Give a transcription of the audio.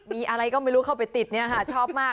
มีอะไรก็ไม่รู้เข้าไปติดเนี่ยค่ะชอบมาก